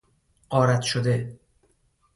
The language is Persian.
غارت شده